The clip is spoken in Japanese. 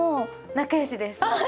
仲良しです！